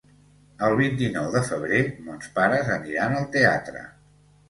El vint-i-nou de febrer mons pares aniran al teatre.